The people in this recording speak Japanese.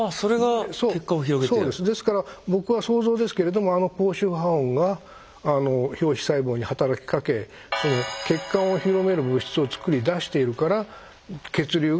ですから僕は想像ですけれどもあの高周波音が表皮細胞に働きかけ血管を広める物質を作り出しているから血流が良くなる。